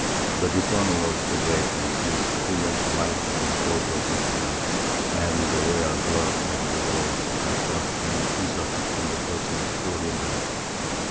The dishonour was the greater, since Julian's wife was a daughter of Witiza, and the royal blood of the Goths had thus been insulted in the person of Florinda.